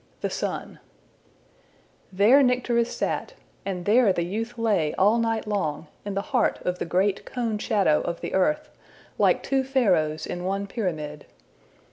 The Sun THERE Nycteris sat, and there the youth lay all night long, in the heart of the great cone shadow of the earth, like two Pharaohs in one Pyramid.